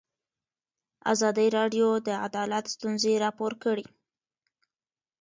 ازادي راډیو د عدالت ستونزې راپور کړي.